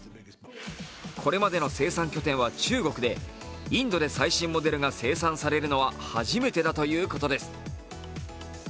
これまでの生産拠点は中国でインドで最新モデルが生産されるのは初めてだということです。